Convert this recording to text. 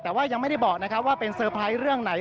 แต่ว่ายังไม่ได้บอกนะครับว่าเป็นเซอร์ไพรส์เรื่องไหน